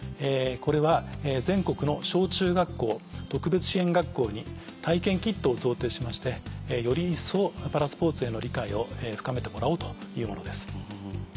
これは全国の小・中学校特別支援学校に体験キットを贈呈しましてより一層パラスポーツへの理解を深めてもらおうというものです。